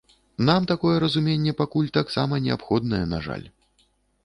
Нам такое разуменне пакуль таксама неабходнае, на жаль.